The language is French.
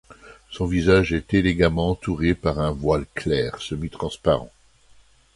Son visage est élégamment entouré par un voile clair, semi transparent.